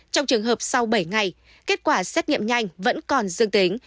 trong trường hợp sau bảy ngày kết quả xét nghiệm nhanh vẫn còn dương tính